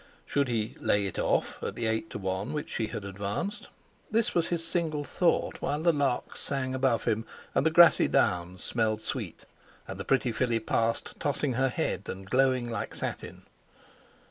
Should he "lay it off" at the eight to one to which she had advanced? This was his single thought while the larks sang above him, and the grassy downs smelled sweet, and the pretty filly passed, tossing her head and glowing like satin.